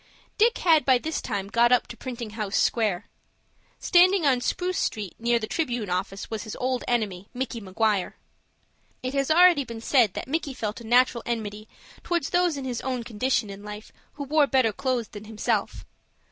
Dick had by this time got up to Printing House Square. Standing on Spruce Street, near the "Tribune" office, was his old enemy, Micky Maguire. It has already been said that Micky felt a natural enmity towards those in his own condition in life who wore better clothes than himself.